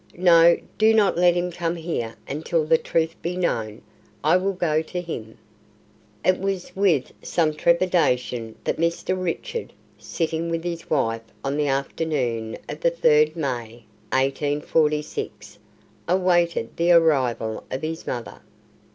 No do not let him come here until the truth be known. I will go to him." It was with some trepidation that Mr. Richard, sitting with his wife on the afternoon of the 3rd May, 1846, awaited the arrival of his mother.